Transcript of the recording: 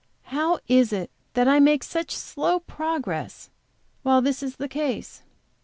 How is it that I make such slow progress while this is the case?